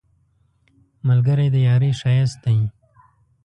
ملګری د یارۍ ښایست دی